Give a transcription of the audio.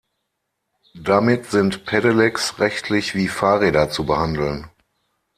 Damit sind Pedelecs rechtlich wie Fahrräder zu behandeln.